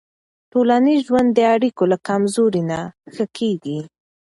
ټولنیز ژوند د اړیکو له کمزورۍ نه ښه کېږي.